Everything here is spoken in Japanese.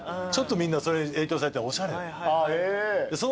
それに影響されておしゃれ。